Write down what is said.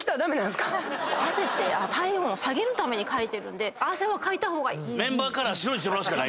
汗って体温を下げるためにかいてるんでかいた方がいい。